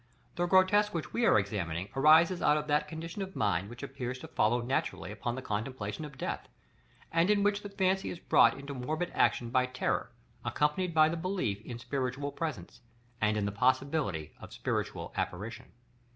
The grotesque which we are examining arises out of that condition of mind which appears to follow naturally upon the contemplation of death, and in which the fancy is brought into morbid action by terror, accompanied by the belief in spiritual presence, and in the possibility of spiritual apparition.